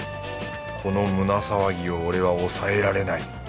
この胸騒ぎを俺は抑えられない。